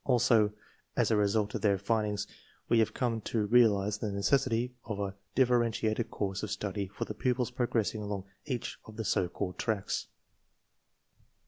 Also, as a result of their findings we have come to realize the necessity of a differentiated course of study for the pupils progressing along each of the so called tracks.